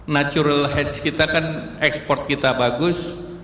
natural hedge kita kan export kita bagus